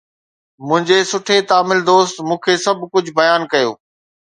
منهنجي سٺي تامل دوست مون کي سڀ ڪجهه بيان ڪيو